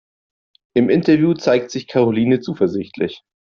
Im Interview zeigt sich Karoline zuversichtlich.